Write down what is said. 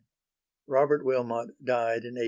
Robert Wilmot died in 1812.